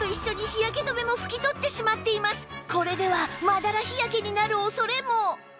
これではまだら日焼けになる恐れも